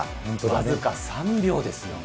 僅か３秒ですよ。